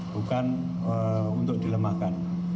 bukan untuk dilemahkan